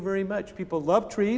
mereka akan menjaga mereka